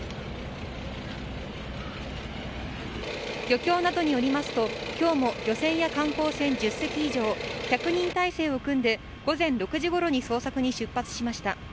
漁協などによりますと、きょうも漁船や観光船１０隻以上、１００人態勢を組んで、午前６時ごろに捜索に出発しました。